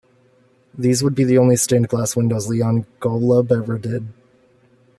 These would be the only stained glass windows Leon Golub ever did.